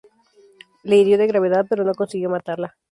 La hirió de gravedad, pero no consiguió matarla.